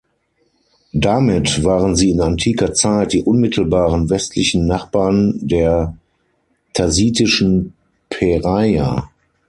Damit waren sie in antiker Zeit die unmittelbaren westlichen Nachbarn der Thasitischen Peraia.